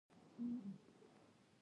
د ښار مشهورې مسلۍ